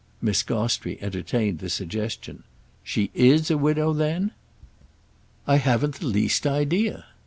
Miss Gostrey entertained the suggestion. "She is a widow then?" "I haven't the least idea!"